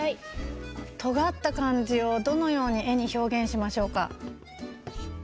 とがったかんじをどのようにえにひょうげんしましょうか？